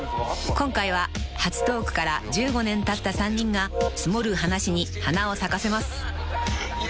［今回は初トークから１５年たった３人が積もる話に花を咲かせます］